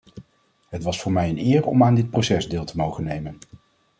Het was voor mij een eer om aan dit proces deel te mogen nemen.